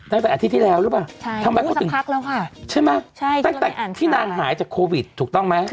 ตั้งแต่อาทิตย์ที่แล้วหรือเปล่าทำไมเขาติดตามใช่มั้ยตั้งแต่ที่นานหายจากโควิดถูกต้องมั้ย